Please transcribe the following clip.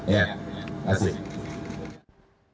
ya terima kasih